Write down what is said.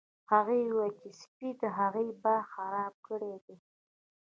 هغې وویل چې سپي د هغې باغ خراب کړی دی